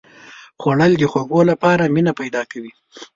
خوړل د خوږو لپاره مینه پیدا کوي